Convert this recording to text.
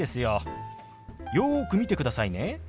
よく見てくださいね。